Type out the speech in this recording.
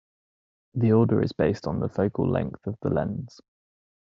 The order is based on the focal length of the lens.